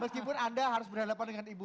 meskipun anda harus berhadapan dengan ibu